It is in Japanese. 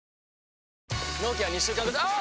納期は２週間後あぁ！！